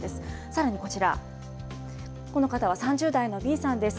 さらにこちら、この方は３０代のＢさんです。